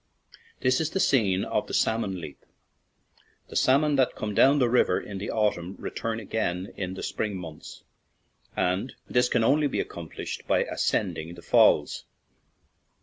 This is the scene of the "salmon leap." The salmon that come down the river in the autumn return again in the spring months, and this can only be accomplished by ascending the falls.